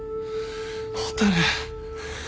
蛍。